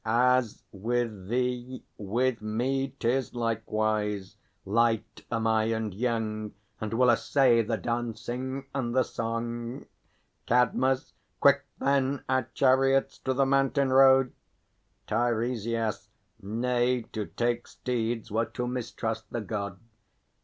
As with thee, With me 'tis likewise. Light am I and young, And will essay the dancing and the song. CADMUS. Quick, then, our chariots to the mountain road. TEIRESIAS. Nay; to take steeds were to mistrust the God.